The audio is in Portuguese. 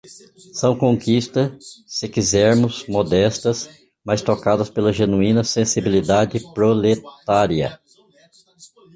São conquistas, se quisermos, modestas, mas tocadas pela genuína sensibilidade proletária.